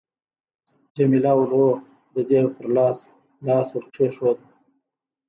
جميله ورو د دې پر لاس لاس ورکښېښود.